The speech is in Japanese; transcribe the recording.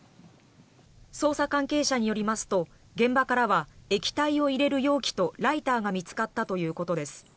捜査関係者によりますと現場からは液体を入れる容器とライターが見つかったということです。